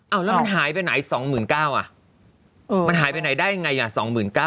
เอาแล้วมันหายไปไหนสองหมื่นเก้าอ่ะมันหายไปไหนได้ยังไงอ่ะสองหมื่นเก้า